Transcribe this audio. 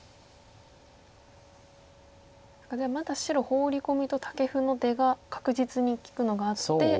まだ白ホウリコミとタケフの出が確実に利くのがあって。